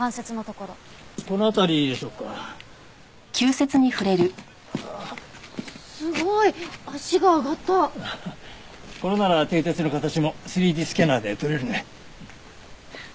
これなら蹄鉄の形も３Ｄスキャナーで撮れるね。